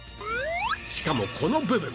しかもこの部分